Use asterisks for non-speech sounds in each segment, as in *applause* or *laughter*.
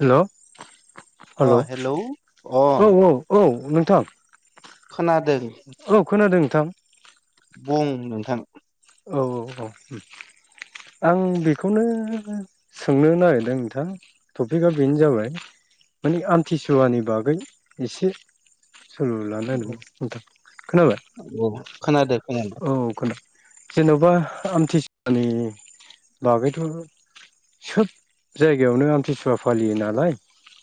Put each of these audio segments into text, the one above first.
Hello. Hello औ अ औ औ नोंथां खोनादों। औ खोनादों नोंथां। बुं नोंथां? औ औ औ ओं आं बेखौनो सोंनो नागिरदों नोंथां टपिकआ बेनो जाबाय माने आमथिसुवानि बागै एसे सोलु लानो औ नागिरदों नोंथां खोनाबाय खोनादो खोनादो औ खोना जेन'बा आमथिसुवानि बागैथ' सोब जायगायावनो आमथिसुवा फालियो नालाय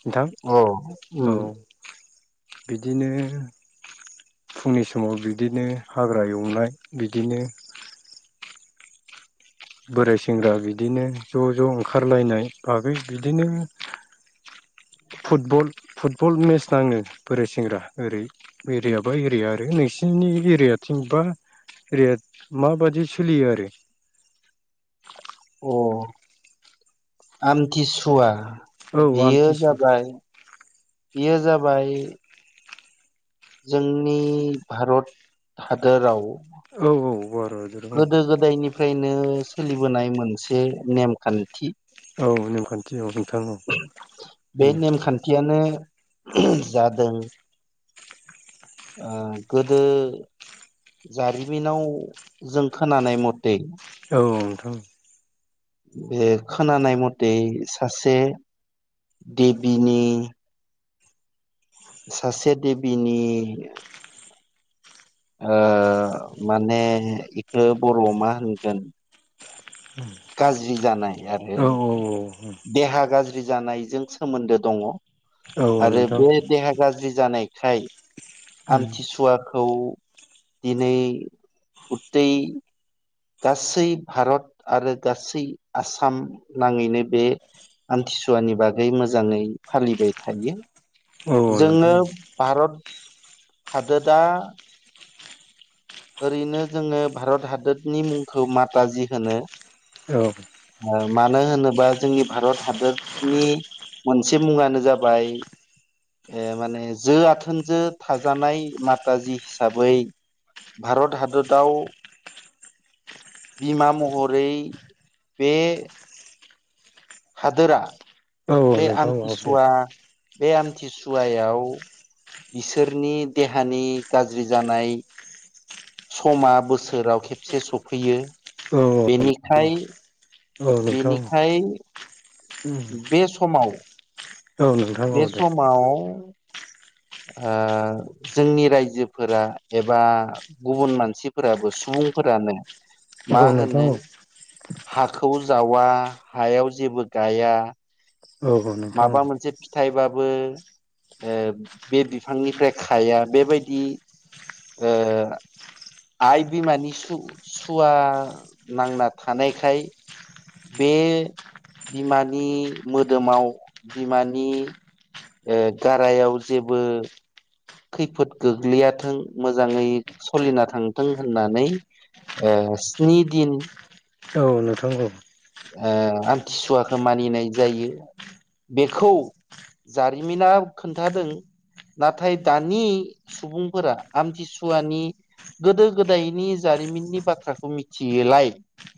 नोंथां अ औ ओम। बिदिनो फुंनि समाव बिदिनो हाग्रा एवनाय बिदिनो बोराय सेंग्रा बिदिनो ज' ज' ओंखारलायनाय बागै बिदिनो *unintelligible* फुटबल फुटबल मेच नाङो बोराय सेंग्रा ओरै एरियाबा एरिया आरो नोंसिनि नि एरियाथिं बा एरिया माबादि सोलियो आरो? *unintelligible* अ आमथिसुवा औ बेयो आमथिसु जाबाय बेयो जाबाय जोंनि भारत हादोराव औ औ भारत हादोराव ओं। फ्रायनो सोलिबोनाय मोनसे नेमखान्थि। औ नेमखान्थि औ नोंथां औ बे बेनो नेमखान्थियानो जादों ओ गोदो जारिमिनाव जों खोनानाय मते औ नोंथां। बे खोनानाय मथे सासे देबिनि सासे देबिनि ओ माने इखो बर'आव मा होनगोन गाज्रि जानाय आरो औ देहा गाज्रि जानायजों सोमोन्दो दङ। औ औ आरो नोंथां बे देहा गाज्रि जानायखाय आमथिसुवा खौ दिनै गुतै गासै भारत आरो गासै आसाम नाङैनो बे आमथिसुवानि बागै मोजाङै फालिबाय थायो। औ नोंथां जोङो औ भारत हादोदा ओरैनो जोङो भारत हादोदनि मुंखौ माताजि होनो। औ। मानो होनोबा जोंनि भारत हादरनि मोनसे मुङानो जाबाय ओ माने जो आथोनजो थाजानाय माताजि हिसाबै भारत हाददाव बिमा महरै बे हादोरा औ बे नोंथां औ दे आमथिसुवा बे आमथिसुवायाव बिसोरनि देहानि गाज्रि जानाय समा बोसोराव खेबसे सफैयो औ औ खाय औ नोंथां बेनिखाय बे समाव औ नोंथां औ बे दे समाव ओ जोंनि रायजोफोरा एबा गुबुन मानसिफोराबो सुबुं फोरानो औ मा नोंथां होनो। औ हाखौ जावा हायाव जेबो गाया औ औ नोंथां औ माबा मोनसे फिथाइबाबो ओ बे बिफांनिफ्राय खाया बेबायदि आइ बिमानि सु-सुवा नांना थानायखाय बे बिमानि मोदोमाव बिमानि ओ गारायाव जेबो खैफोद गोग्लैयाथों मोजाङै सलिना थांथों होननानै ओ स्नि दिन औ नोंथांांगौ आ आमथिसुवाखौ मानिनाय जायो बेखौ जारिमिना खोन्थादों नाथाय दानि सुबुंफोरा आमथिसुवानि गोदो गोदायनि जारिमिननि बाथ्राखौ मिथियोलाय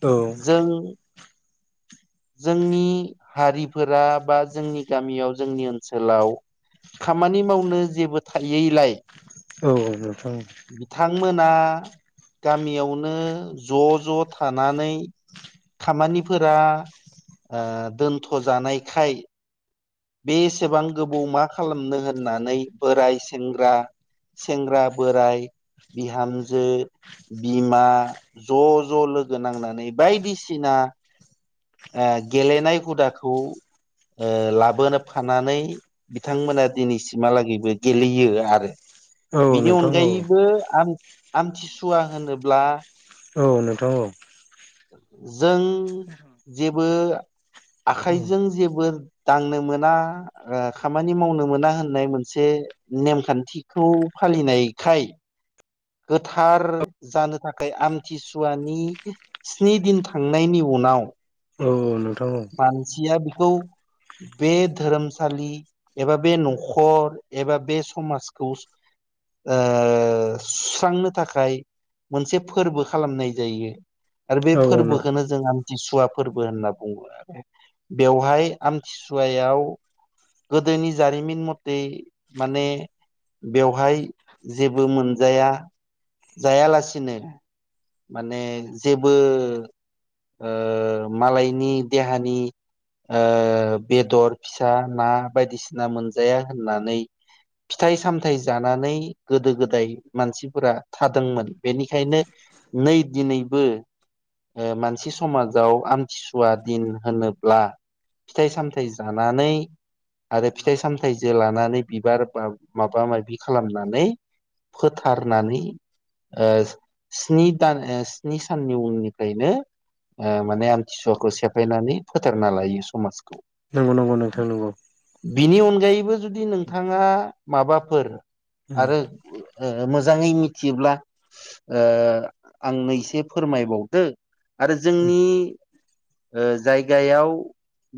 औ जों *inaudible* जोंनि हारिफोरा बा जोंनि गामियाव जोंनि ओनसोलाव खामानि मावनो जेबो थायैलाय औ नोंथां ओं बिथांमोना गामियावनो ज' ज' थानानै खामानिफोरा ओ दोनथ' जानायखाय बे एसेबां गोबौ मा खालामनो होननानै बोराय सेंग्रा सेंग्रा बोराय बिहामजो बिमा ज' ज' लोगो नांनानै बायदिसिना आ गेलेनाय हुदाखौ ओ लाबोनो फानानै बिथांमोना दिनैसिमहालागैबो गेलेयो आरो औ बिनि नोंथां औ अनगायैबो आम आमथिसुवा होनोब्ला औ नोंथां औ जों जेबो औ आखाइजों जेबो दांनो मोना ओ खामानि मावनो मोना होननाय मोनसे नेमखान्थिखौ फालिनायखाय गोथार जानो थाखाय आमथिसुवानि स्नि दिन थांनायनि उनाव नाव। औ औ नं मानसिया बेखौ बे धोरोमसालि एबा बे न'खर एबा बे समाजखौ ओ सुस्रांनो थाखाय मोनसे फोरबो खालामनाय जायो। आर बे औ औ फोरबोखौनो जों आमथिसुवा फोरबो होनना बुङो आरो बेवहाय आमथिसुवायाव गोदोनि जारिमिन मथे माने बेवहाय जेबो मोनजाया जायालासिनो माने जेबो ओ मालायनि देहानि ओ बेदर फिसा ना बायदिसिना मोनजाया होननानै फिथाइ सामथायाइ जानानै गोदो गोदाय मानसिफोरा थादोंमोन बेनिखायनो नै दिनैबो ओ मानसि समाजाव आमथिसुवा दिन होनोब्ला फिथाइ सामथायाइ जानानै आरो फिथाइ सामथायाइजे लानानै बिबार माबा माबि खालामनानै फोथारनानै ओ स्नि दान स्नि साननि उननिफ्रायनो ओ माने आमथिसुवाखौ सेफायनानै फोथारना लायो समाजखौ नंगौ नंगौ नोंथां नंगौ बिनि अनगायैबो जुदि नोंथाङा माबाफोर उम आरो ओ मोजां मोजाङै मिथियोब्ला ओ आंनो एसे फोरमायबावदो आरो जोंनि ओ जायगायाव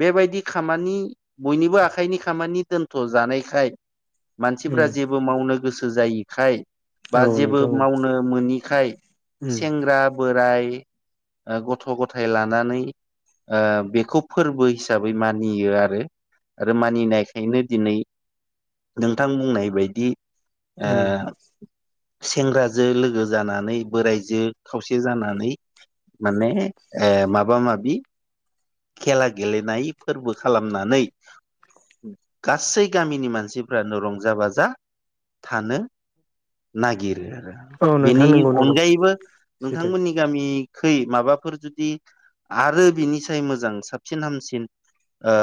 बेबायदि खामानि बयनिबो आखाइनि खामानि दोनथ' जानायखाय मानसिफ्रा उम जेबो मावनो गोसो जायिखाय बा औ जेबो नोंथां औ मावनो मोनिखाय उम सेंग्रा बोराय ओ गथ' गथाय लानानै ओ बेखौ फोरबो हिसाबै मानियो आरो आरो मानिनायखायनो दिनै नोंथां बुंनाय बायदि ओ उम सेंग्राजो लोगो जानानै बोरायजो खावसे जानानै माने माबा माबि खेला गेलेनाय फोरबो खालामनानै गासै गामिनि मानसिफ्रानो रंजा बाजा थानो नागिरो आरो औ नोंथां बेनि नंगौ नंगौ अनगायैबो सैथो नोंथांमोननि गामि खै माबाफोर जुदि आरो बिनिसाय मोजां साबसिन हामसिन ओ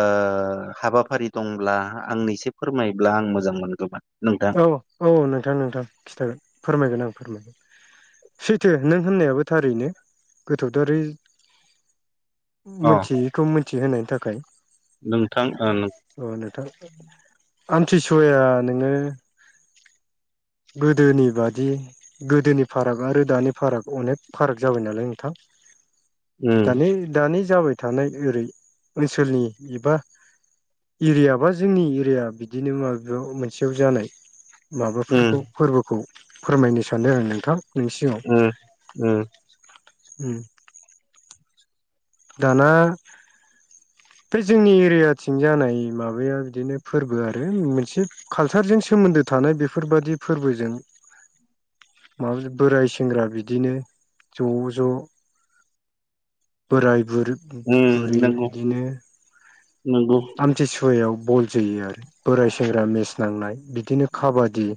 हाबाफारि दंब्ला आंनो इसे फोरमायोब्ला आं मोजां मोनगौमोन। नोंथां औ औ नोंथां नोंथां खिथागोन फोरमायगोन आं फोरमायगोन। सैथो नों होननायाबो थारैनो गोथौथारै अ मोनथियैखौ मिथिहोनायनि थाखाय नोंथां अ नोंथां आमथिसुवाया नोङो गोदोनि बादि गोदोनि फाराग आरो दानि फाराग अनेक फाराग जाबाय नालाय नोंथां दानि दानि जाबाय थानाय ओरै ओनसोलनि एबा एरिया बा जोंनि एरिया बिदिनो माबायाव मोनसेयाव जानाय उम माबाफोरखौ फोरबोखौ फोरमायनो सानदों आं नोंथां नोंनि सिगाङाव उम उम उम दाना बे जोंनि एरियाथिं जानाय माबाया बिदिनो फोरबो आरो मोनसे कालचारजों सोमोन्द सोमोन्दो थानाय बेफोरबादि फोरबोजों माबा बोराय सेंग्रा बिदिनो ज'-ज' बोराय बुरै बुरि उम नंगौ बिदिनो नंगौ आमथिसुवायाव बल जोयो आरो बोराय सेंग्रा मेस नांनाय बिदिनो काबादि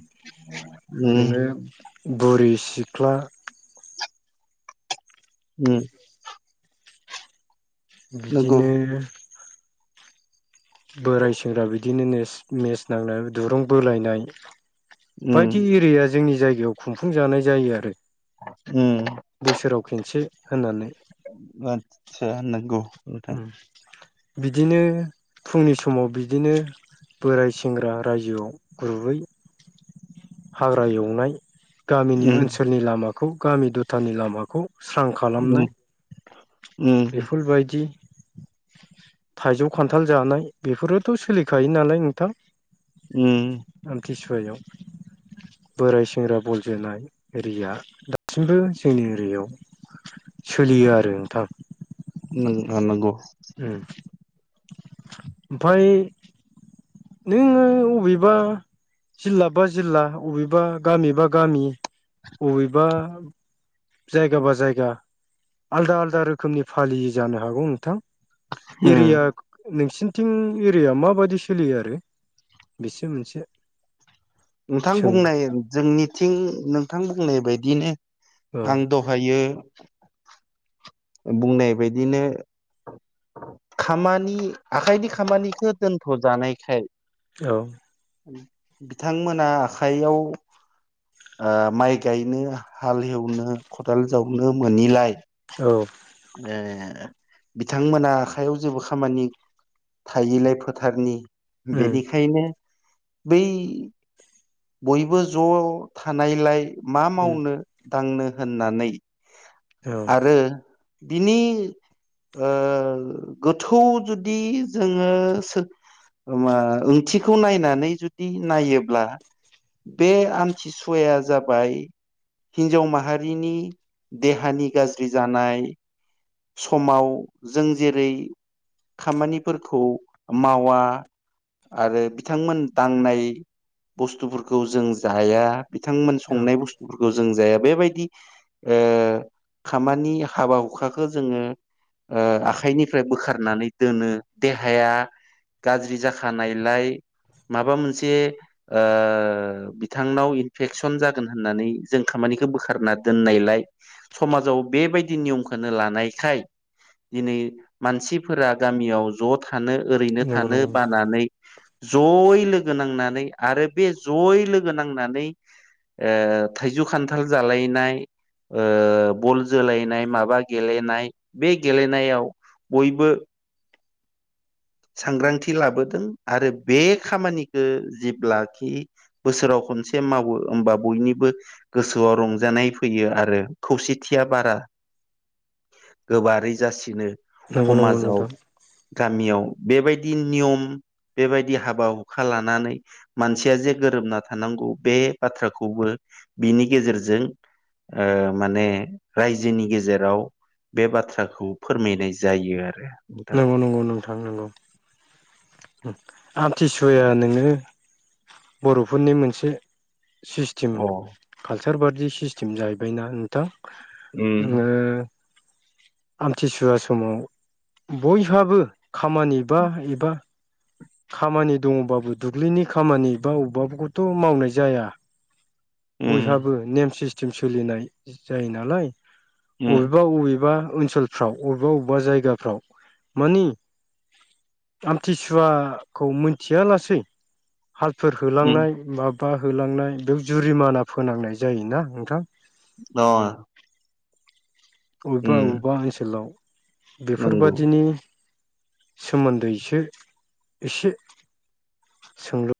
उम नोङो बुरि सिख्ला ओम नंगौ बिदिनो बोराय सेंग्रा बिदिनो नेस मेस नांनाय दुरुं बोलायनाय उम बायदि एरिया जोंनि जायगायाव खुंफुं जानाय जायो आरो बोसोराव खनसे होननानै आतसा नंगौ नोंथां ओम बिदिनो फुंनि समाव बिदिनो बोराय सेंग्रा रायजोआव ग्रुबै हाग्रा एवनाय गामिनि उम ओनसोलनि लामाखौ गामि दथानि लामाखौ स्रां उम खालामनाय उम बिफोर बायदि थाइजौ खान्थाल जानाय बेफोरोथ' सोलिखायो नालाय नोंथां ओम सुयाव बोराय सेंग्रा बल जोनाय एरिया दासिमबो जोंनि एरियायाव सोलियो आरो नोंथां नों नोंगौ ओमफ्राय नोङो अबेबा जिल्ला बा जिल्ला अबेबा गामिबा गामि अबेबा जायगा बा जायगा आलदा आलदा रोखोमनि फालियो जानो हागौ नोंथां उम एरिया नोंसिनि टिं एरिया माबायदि सोलियो आरो बिसो मोनसे नोंथां सों बुंनाय जोंनिथिं नोंथां बुंनाय बायदिनो औ आं दहायो बुंनाय बायदिनो खामानि आखाइनि खामानिखौ दोनथ' जानायखाय औ बिथांमोना आखाइयाव ओ माइ गायनो हाल हेवनो खदाल जावनो मोनिलाय औ ओ बिथांमोना आखाइयाव जेबो खामानि थायिलाय फोथारनि उम बेनिखायनो बै बयबो ज' थानायलाय मा उम मावनो दांनो होननानै औ आरो बिनि ओ गोथौ जुदि जोङो ओ मा ओंथिखौ नायनानै जुदि नायोब्ला बे आमथिसुवाया जाबाय हिन्जाव माहारिनि देहानि गाज्रि जानाय समाव जों जेरै खामानिफोरखौ मावा आरो बिथांमोन दांनाय बुस्थुफोरखौ जों जाया बिथांमोन औ संनाय बुस्थुफोरखौ जों जाया बेबायदि ओ खामानि हाबा हुखा खो जोङो ओ आखाइनिफ्राय बोखारनानै दोनो देहाया गाज्रि जाखानायलाय माबा मोनसे ओ बिथांनाव इथफेकसन जागोन होननानै जों खामा निखो बोखारना दोननायलाय समाजाव बेबायदि नियम खा होनो लानायखाय दिनै मानसिफोरा गामियाव ज' था थानो ओरैनो नंगौ नंगौ थानो नोंथां बानानै । जयै लोगो नांनानै आरो बे जयै लोगो नांनानै ओ थाइजौ खान्थाल जालायनाय ओ बल जोलायनाय माबा गेलेनाय बे गेलेनायाव बयबो सांग्रांथि लाबोदों । आरो बे खामानिखो जेब्लाखि बोसोराव खनसे मावो होमबा बयनिबो गोसोआव रंजानाय फैयो आरो खौसेथिया बारा *unintelligible* गोबारै जासिनो नंगौ नंगौ ख'माजाव, नोंथां गामियाव । बेबायदि नियम बेबायदि हाबा-हुखा लानानै मानसिया जे गोरोबना थानांगौ बे बाथ्राखौबो बिनि गेजेरजों ओ माने रायजोनि गेजेराव बे बाथ्राखौ फोरमायनाय जायो आरो । नंगौ-नंगौ नोंथां नंगौ । आमथिसुवाया नोङो बर'फोरनि मोनसे सिस्टीम, अ कालचार बादि सिस्टीम जाहैबायना नोंथां उम। नोङो आमथिसुवा समाव बयहाबो खामानि बा एबा खामानि दङबाबो दुब्लिनि खामानि बा अबबाफोरखौथ' मावनाय जाया । उम बयहाबो नेम सिस्टेम सोलिनाय जायो नालाय, उम अबेबा-बबेबा ओनसोलफ्राव अबेबा-बबेबा जायगाफ्राव मानि आमथिसुवा खौ मोन्थिया लासै हालफोर उम होलांनाय बा होलांनाय बेयाव जुरिमाना फोनांनाय जायोना नोंथां? *unintelligible* उम अबेबा-अबेबा ओनसोलाव नंगौ। बेफोरबादिनि सोमोन्दैसो एसे सोंलु